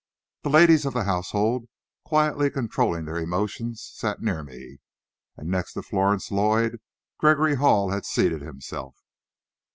The ladies of the household, quietly controlling their emotions, sat near me, and next to Florence Lloyd Gregory Hall had seated himself.